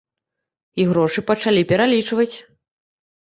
І грошы пачалі пералічваць.